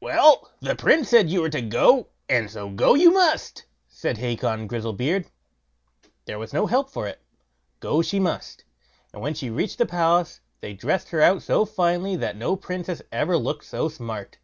"Well, the Prince said you were to go, and so go you must", said Hacon Grizzlebeard. There was no help for it, go she must; and when she reached the palace, they dressed her out so finely that no princess ever looked so smart.